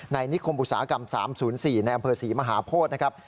นิคมอุตสาหกรรม๓๐๔ในอำเภอศรีมหาโพธินะครับ